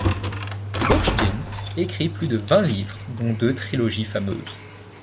Boorstin écrit plus de vingt livres, dont deux trilogies fameuses.